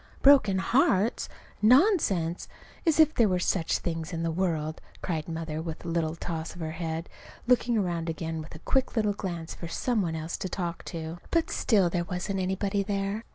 "Broken hearts! Nonsense! As if there were such things in the world!" cried Mother, with a little toss to her head, looking around again with a quick little glance for some one else to talk to. But still there wasn't anybody there.